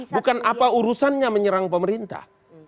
bukan apa urusannya menyerang pemerintah